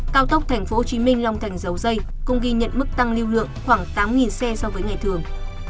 cao tốc tp hcm long thành dầu dây cũng ghi nhận mức tăng lưu lượng khoảng tám xe so với ngày thường